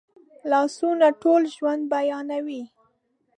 لاسونه ټول ژوند بیانوي